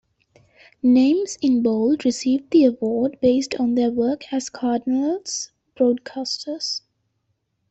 Names in bold received the award based on their work as Cardinals broadcasters.